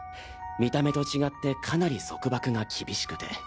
見た目と違ってかなり束縛が厳しくて。